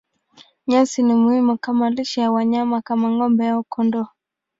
Nyasi ni muhimu kama lishe ya wanyama kama ng'ombe au kondoo.